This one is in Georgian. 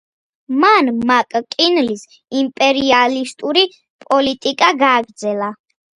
მან მაკ-კინლის იმპერიალისტური პოლიტიკა გააგრძელა.